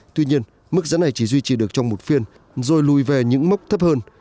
tuy nhiên mức giá này chỉ duy trì được trong một phiên rồi lùi về những mốc thấp hơn